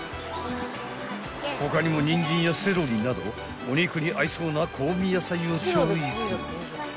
［他にもにんじんやセロリなどお肉に合いそうな香味野菜をチョイス］